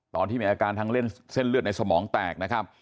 ตอนที่มีอาการทางเล่นเส้นเลือดในสมองแตกนะครับ